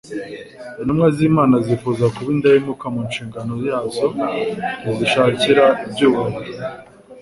Intumwa z’Imana zifuza kuba indahemuka ku nshingano yazo, ntizishakira ibyubahiro.